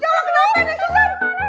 ya allah kenapa nih susan